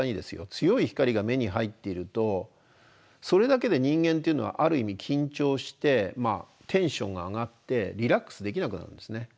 強い光が目に入っているとそれだけで人間っていうのはある意味緊張してテンションが上がってリラックスできなくなるんですね。